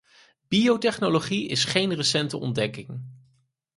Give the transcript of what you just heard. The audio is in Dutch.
Biotechnologie is geen recente ontdekking.